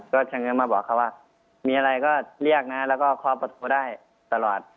ก็เฉง้อมาบอกเขาว่ามีอะไรก็เรียกนะแล้วก็เคาะประตูได้ตลอด